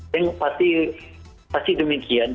saya pasti demikian